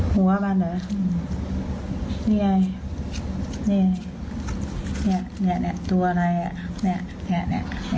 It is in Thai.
หัวมันเหรอนี่ไงตัวอะไรนี่